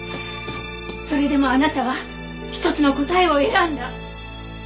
それでもあなたは一つの答えを選んだ！